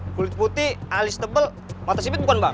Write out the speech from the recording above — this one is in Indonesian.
kulit putih alis tebel mata sipit bukan bang